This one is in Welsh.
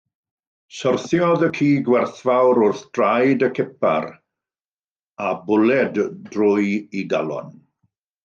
Syrthiodd y ci gwerthfawr wrth draed y cipar, a bwled drwy ei galon.